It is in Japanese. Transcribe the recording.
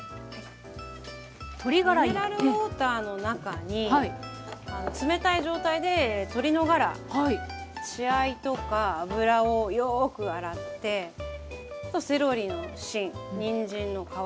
ミネラルウォーターの中に冷たい状態で鶏のガラ血合いとか脂をよく洗ってセロリの芯にんじんの皮